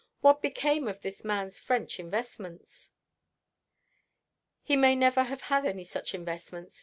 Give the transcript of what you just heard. What became of this man's French investments?" "He may never have had any such investments.